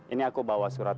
ini aku bawa surat